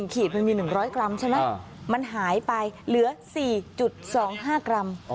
ขีดมันมี๑๐๐กรัมใช่ไหมมันหายไปเหลือ๔๒๕กรัม